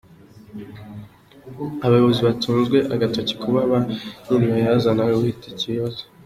Abayobozi batunzwe agatoki kuba ba nyirabayazana w’iki kibazo.